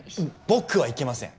僕は行けません。